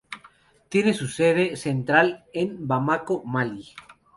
Tiene su sede central en Bamako, Mali.